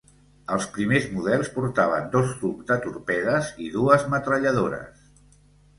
Els primers models portaven dos tubs de torpedes i dues metralladores.